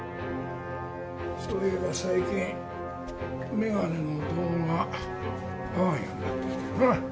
そういえば最近眼鏡の度が合わんようになってきてな。